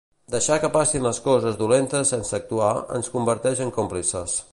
Deixar que passin les coses dolentes sense actuar, ens converteix en còmplices.